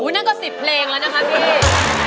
โอ้โหนั่นก็๑๐เพลงแล้วนะครับพี่